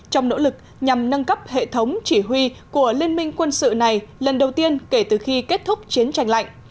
trong nỗ lực nhằm nâng cấp hệ thống chỉ huy của liên minh quân sự này lần đầu tiên kể từ khi kết thúc chiến tranh lạnh